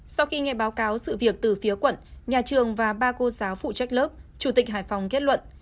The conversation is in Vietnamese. sau khi nghe báo cáo sự việc từ phía quận nhà trường và ba cô giáo phụ trách lớp chủ tịch hải phòng kết luận